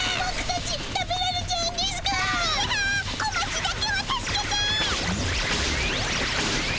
小町だけは助けて！